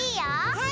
はい。